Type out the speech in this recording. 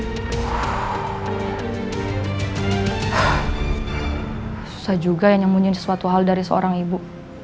susah juga yang nyemunin sesuatu hal dari seorang ibu